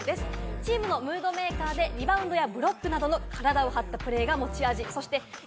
チームのムードメーカーで、リバウンドやブロックなど、体を張ったプレーが持ち味なんです。